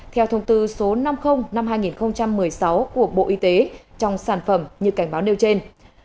theo thông tư số năm mươi năm hai nghìn một mươi sáu của bộ y tế trong sản phẩm như cảnh báo nêu trên